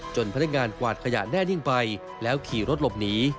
พนักงานกวาดขยะแน่นิ่งไปแล้วขี่รถหลบหนี